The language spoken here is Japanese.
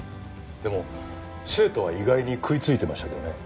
でも生徒は意外に食いついてましたけどね。